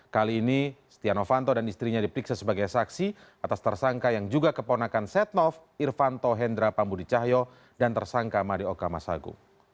kali ini setia novanto dan istrinya diperiksa sebagai saksi atas tersangka yang juga keponakan setnov irfanto hendra pambudicahyo dan tersangka marioka masagu